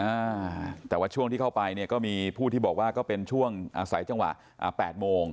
อ่าแต่ว่าช่วงที่เข้าไปเนี่ยก็มีผู้ที่บอกว่าก็เป็นช่วงอาศัยจังหวะอ่าแปดโมง